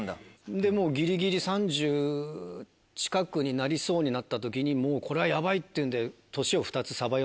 でもうギリギリ３０歳近くになりそうになった時にもうこれはヤバいっていうんで。